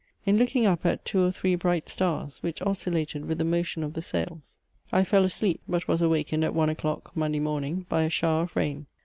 In looking up at two or three bright stars, which oscillated with the motion of the sails, I fell asleep, but was awakened at one o'clock, Monday morning, by a shower of rain.